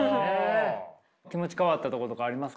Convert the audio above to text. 気持ち変わったとことかありますか？